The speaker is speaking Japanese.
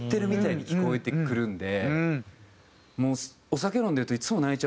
もう。